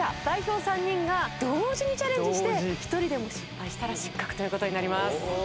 代表３人が同時にチャレンジして１人でも失敗したら失格という事になります。